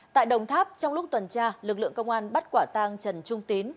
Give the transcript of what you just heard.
tại đồng tháp trong lúc tuần tra lực lượng công an bắt quả tang trần trung tín